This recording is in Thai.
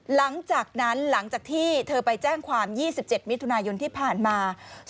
หลังจากนั้นหลังจากที่เธอไปแจ้งความ๒๗มิถุนายนที่ผ่านมา